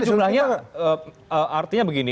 tapi jumlahnya artinya begini